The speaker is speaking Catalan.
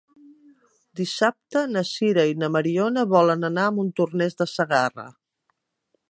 Dissabte na Sira i na Mariona volen anar a Montornès de Segarra.